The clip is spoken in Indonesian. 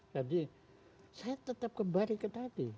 jadi saya tetap kembali ke tadi